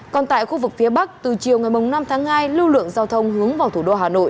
còn tại khu vực phía bắc từ chiều ngày năm tháng hai lưu lượng giao thông hướng vào thủ đô hà nội